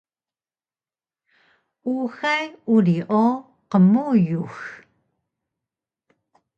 uxay uri o qmuyux